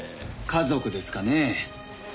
家族ですかね？